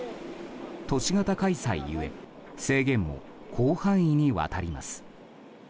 都市型開催ゆえ制限も広範囲にわたります。